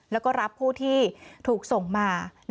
แล้วก็รับผู้ที่ถูกส่งมา